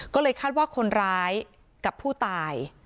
ก็เลยคาดว่าคนร้ายกับผู้ตาย